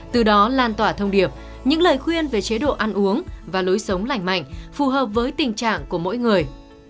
từ đó lan tỏa thông điệp những lời khuyên về chế độ ăn uống và lối sống lành mạnh phù hợp với tình trạng của mỗi người